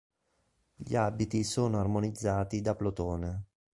Gli abiti sono armonizzati da plotone.